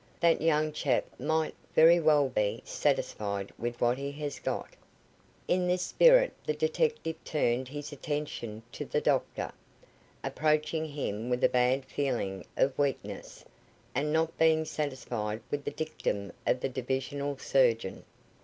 That young chap might very well be satisfied with what he has got." In this spirit the detective turned his attention to the doctor, approaching him with a bad feeling of weakness, and not being satisfied with the dictum of the divisional surgeon.